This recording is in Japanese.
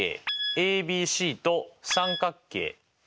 ＡＢＣと三角形ＡＤＥ